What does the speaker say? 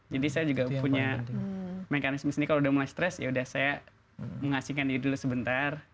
jadi saya juga punya mekanisme sendiri kalau sudah mulai stres ya sudah saya mengasingkan diri dulu sebentar